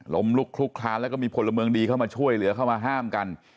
ลุกคลุกคลานแล้วก็มีพลเมืองดีเข้ามาช่วยเหลือเข้ามาห้ามกัน